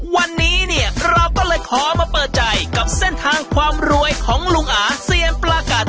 วันนี้เนี่ยเราก็เลยขอมาเปิดใจกับเส้นทางความรวยของลุงอาเซียนปลากัด